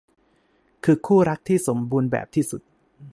คือคู่รักที่สมบูรณ์แบบที่สุด